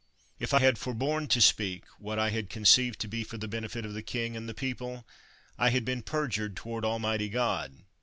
If I had forborne to speak what I conceived to be for the benefit of the king and the people, I had been perjured toward Almighty God.